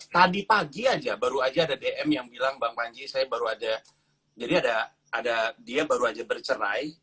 tadi pagi aja baru aja ada dm yang bilang bang panji saya baru ada jadi ada dia baru aja bercerai